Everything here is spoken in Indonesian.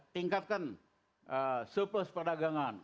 tingkatkan surplus perdagangan